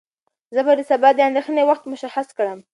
زه به سبا د اندېښنې وخت مشخص کړم.